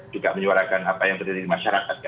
juga menyuarakan apa yang terjadi di masyarakat